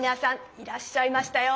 いらっしゃいましたよ！